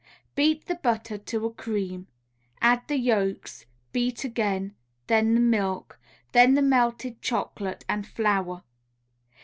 Beat the butter to a cream, add the yolks, beat again, then the milk, then the melted chocolate and flour.